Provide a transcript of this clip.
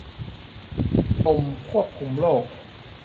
กรมควบคุมโรค